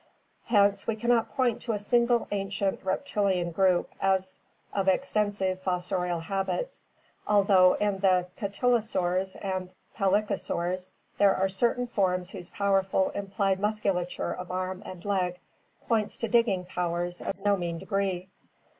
Hence we cannot point to a single ancient reptilian group as of extensive fossorial habits, although in the cotylosaurs and pelycosaurs there are certain forms whose powerful implied musculature of arm and leg points to digging powers of no mean degree.